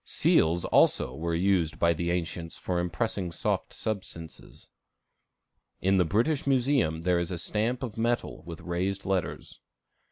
Seals, also, were used by the ancients for impressing soft substances. In the British Museum there is a stamp of metal with raised letters.